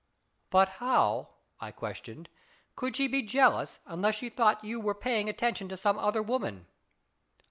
" But how/' I questioned, " could she be jealous unless she thought you were paying attention to some other woman